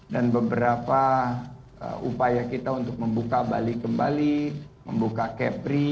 dan beberapa upaya kita untuk membuka bali kembali membuka capri